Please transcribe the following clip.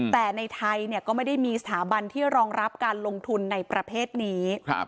แต่ในไทยก็ไม่ได้มีสถาบันที่รองรับการลงทุนในประเภทนี้